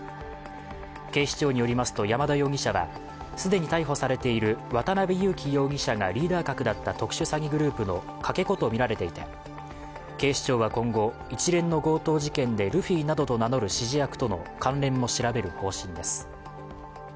警視庁によりますと山田容疑者は既に逮捕されている渡辺優樹容疑者がリーダー格だった特殊詐欺グループのかけ子とみられていて警視庁は今後、一連の強盗事件でルフィなどと名乗る指示役との関連も調べる方針です。